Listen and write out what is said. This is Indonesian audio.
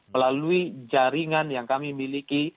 melalui jaringan yang kami miliki